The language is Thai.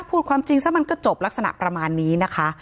พูดความจริงซะมันก็จบลักษณะประมาณนี้นะคะ